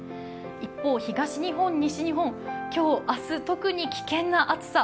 一方、東日本、西日本、今日、明日特に危険な暑さ。